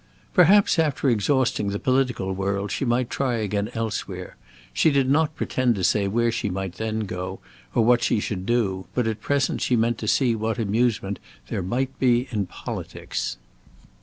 Perhaps after exhausting the political world she might try again elsewhere; she did not pretend to say where she might then go, or what she should do; but at present she meant to see what amusement there might be in politics.